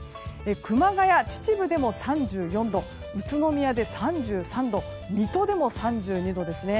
熊谷、秩父でも３４度宇都宮で３３度水戸でも３２度ですね。